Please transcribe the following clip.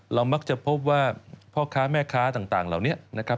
มักจะพบว่าพ่อค้าแม่ค้าต่างเหล่านี้นะครับ